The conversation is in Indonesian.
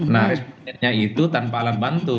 nah respondennya itu tanpa alat bantu